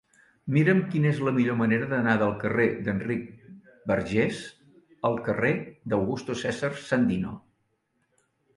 Mira'm quina és la millor manera d'anar del carrer d'Enric Bargés al carrer d'Augusto César Sandino.